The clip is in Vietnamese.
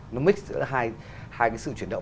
nó mix giữa hai cái sự chuyển động